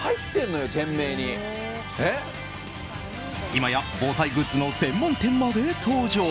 今や防災グッズの専門店まで登場。